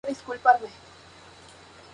Su historia.